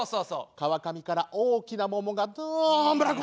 川上から大きな桃がどんぶらこ。